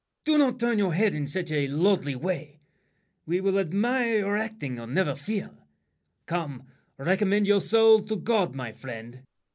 Don't turn your head in such a lordly way. We will admire your acting, never fear! Come, recommend your soul to God, my friend.